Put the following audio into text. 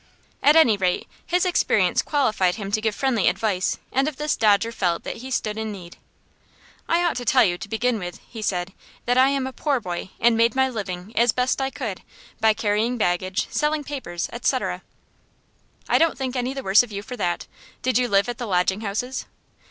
At any rate, his experience qualified him to give friendly advice, and of this Dodger felt that he stood in need. "I ought to tell you, to begin with," he said, "that I am a poor boy, and made my living as best I could, by carrying baggage, selling papers, etc." "I don't think any the worse of you for that. Did you live at the lodging houses?"